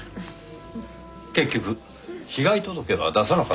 結局被害届は出さなかったんですね。